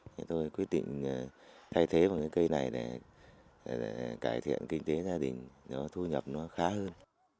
thì tôi quyết định thay thế bằng cây này để cải thiện kinh tế gia đình thu nhập nó khá hơn